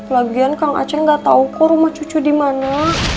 lagian kang aceh enggak tau kok rumah cucu dimana